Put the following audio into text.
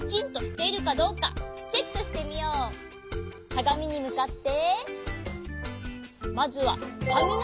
かがみにむかって。